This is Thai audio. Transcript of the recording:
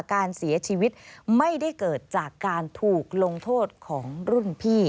การเสียชีวิตไม่ได้เกิดจากการถูกลงโทษของรุ่นพี่